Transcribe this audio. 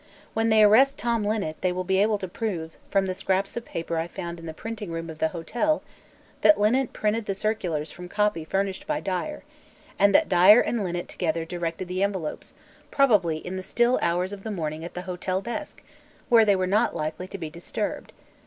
When they arrest Tom Linnet they will be able to prove, from the scraps of paper I found in the printing room of the hotel, that Linnet printed the circulars from copy furnished by Dyer, and that Dyer and Linnet together directed the envelopes, probably in the still hours of the morning at the hotel desk, where they were not likely to be disturbed.